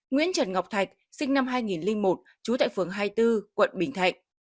nguyễn trần ngọc thạch sinh năm hai nghìn một trú tại phường hai mươi bốn quận bình thạnh